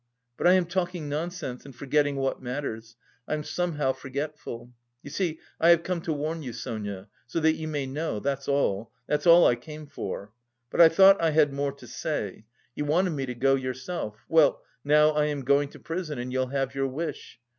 But I am talking nonsense and forgetting what matters; I'm somehow forgetful.... You see I have come to warn you, Sonia, so that you might know... that's all that's all I came for. But I thought I had more to say. You wanted me to go yourself. Well, now I am going to prison and you'll have your wish.